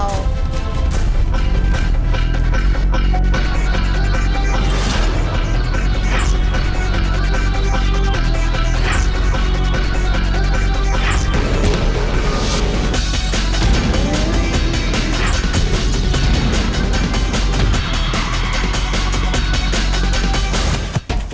เดี๋ยวเราออกไปดูแล